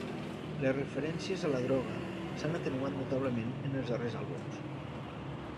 Les referències a la droga s'han atenuat notablement en els darrers àlbums.